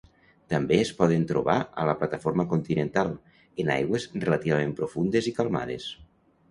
També es poden trobar a la plataforma continental, en aigües relativament profundes i calmades.